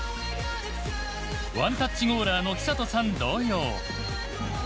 ワンタッチゴーラーの寿人さん同様。